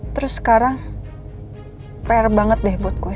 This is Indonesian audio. terus sekarang fair banget deh buat gue